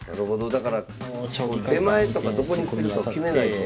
だから出前とかどこにするとか決めないと。